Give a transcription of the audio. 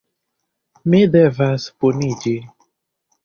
Mi devas puniĝi.